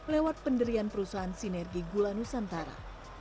lewat penderian perusahaan sinergi gula nusantara